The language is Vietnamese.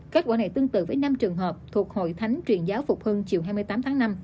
kết quả này tương tự với năm trường hợp thuộc hội thánh truyền giáo phục hưng chiều hai mươi tám tháng năm